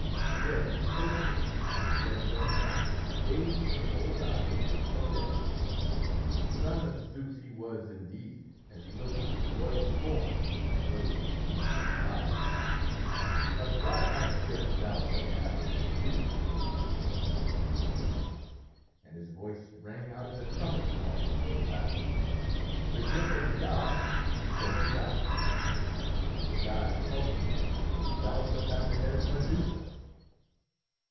Then Perseus, his head thrown back, gazed in the bold eyes of Polydectes. Son of Zeus he was indeed, as he looked with royal scorn at those whom he despised. "A godlike gift thou shalt have, in truth, O king," he said, and his voice rang out as a trumpet call before the battle. "The gift of the gods shall be thine. The gods helping me, thou shalt have the head of Medusa."